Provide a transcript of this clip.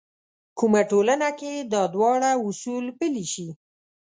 کومه ټولنه کې دا دواړه اصول پلي شي.